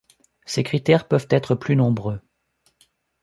Ces critères peuvent être plus nombreux.